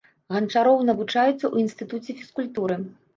Ганчароў навучаецца ў інстытуце фізкультуры.